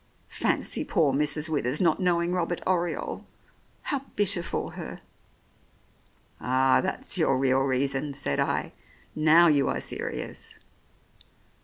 Fancy poor Mrs. Withers not knowing Robert Oriole I How bitter for her 1 " "Ah, that's your real reason," said I. "Now you are serious."